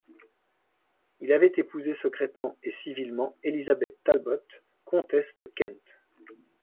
Il avait épousé secrètement et civilement Elizabeth Talbot, comtesse de Kent.